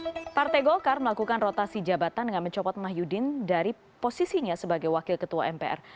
pertama partai golkar melakukan rotasi jabatan dengan mencopot mahyudin dari posisinya sebagai wakil ketua mpr